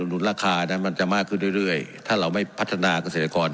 นุนราคานั้นมันจะมากขึ้นเรื่อยถ้าเราไม่พัฒนาเกษตรกร